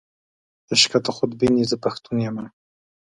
عشقه ته خودبین یې، زه پښتون یمه.